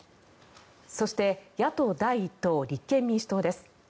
そして、野党第１党立憲民主党です。